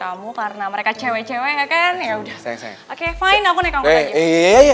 aku anterin kamu deh